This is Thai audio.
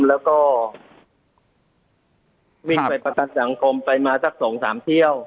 แล้วก็วิ่งไปประกันสังคมไปมาสัก๒๓เที่ยว